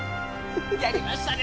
やりましたね